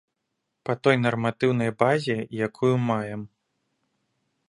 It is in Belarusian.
Па той нарматыўнай базе, якую маем.